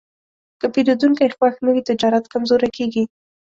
که پیرودونکی خوښ نه وي، تجارت کمزوری کېږي.